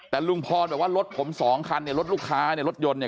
แต่ลุงพรบอกว่ารถผมสองคันเนี่ยรถลูกค้าเนี่ยรถยนต์เนี่ย